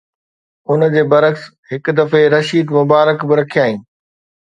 ان جي برعڪس، هڪ دفعي رشيد مبارڪ به رکيائين